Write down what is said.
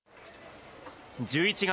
１１月、